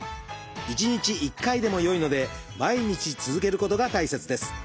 １日１回でもよいので毎日続けることが大切です。